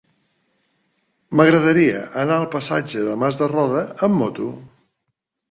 M'agradaria anar al passatge de Mas de Roda amb moto.